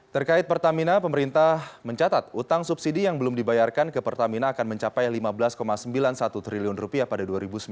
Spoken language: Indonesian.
terkait pertamina pemerintah mencatat utang subsidi yang belum dibayarkan ke pertamina akan mencapai lima belas sembilan puluh satu triliun pada dua ribu sembilan belas